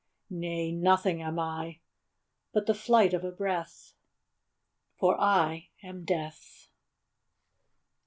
Nay; nothing am I, But the flight of a breath For I am Death!